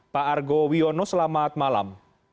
pak argo wiono selamat malam